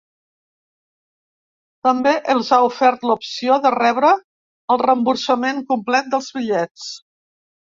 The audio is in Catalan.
També els ha ofert l’opció de rebre el reemborsament complet dels bitllets.